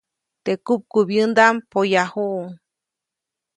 Teʼ kupkubyändaʼm poyajuʼuŋ.